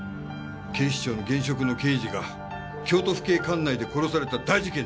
警視庁の現職の刑事が京都府警管内で殺された大事件だ。